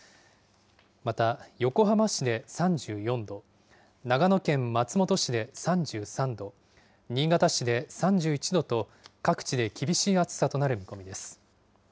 また、横浜市で３４度、長野県松本市で３３度、新潟市で３１度と、各地で厳しい暑さとなる見込みです。